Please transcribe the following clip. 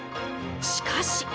しかし。